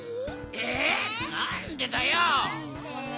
えなんでだよ！